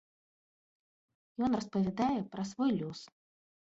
Ён распавядае, пра свой лёс.